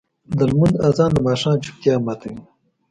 د لمونځ اذان د ماښام چوپتیا ماتوي.